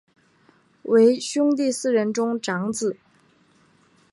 为兄弟四人中长子。